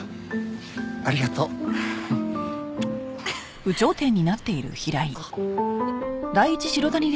ありがとう。あっ。